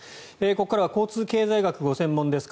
ここからは交通経済学がご専門です